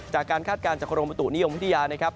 จากการคาดการณ์จากโครงประตูนิยมพิทยานะครับ